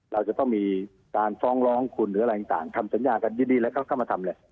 เราจะต้องมีการฟ้องร้องคุณหรืออะไรต่างทำสัญญากันดีแล้วก็เข้ามาทำเลย